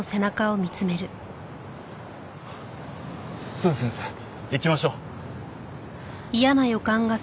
鈴先生行きましょう。